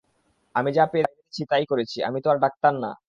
আমি যা পেরেছি তাই করেছি, আমি তো আর ডাক্তার না।